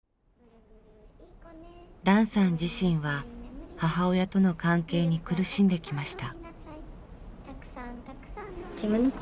ランさん自身は母親との関係に苦しんできました。